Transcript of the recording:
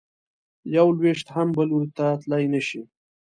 یو لویشت هم بل لوري ته تلی نه شې.